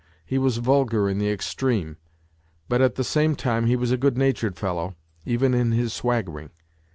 He was vulgar in the extreme, but at the same time he was a good natured fellow, even in his swaggering.